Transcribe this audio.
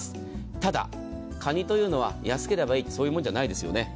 ただ、かにというのは安ければいいというそういうもんじゃないですよね。